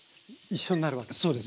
そうです。